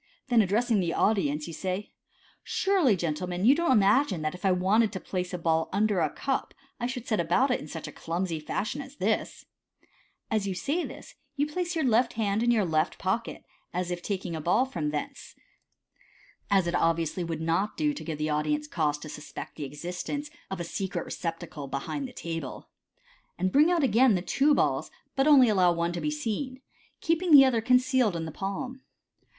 Then, addressing the audience, you say, u Surely, gentlemen, you don't imagine that, if I wanted to place a ball under a cup, I should set about it after such a clumsy fashion as this !" As you say this, you place your left hand in your left pocket, as if taking a ball from thence (as it obviously would not do to give the audience cause to suspect the existence of a MODERN MAGIC. 291 secret receptacle behind the table), and bring out again the two balls, but allow one only to be seen, keeping the other concealed in the palm.